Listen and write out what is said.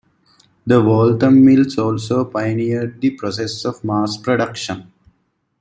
The Waltham mill also pioneered the process of mass production.